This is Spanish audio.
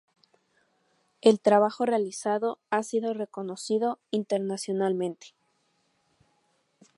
El trabajo realizado ha sido reconocido internacionalmente.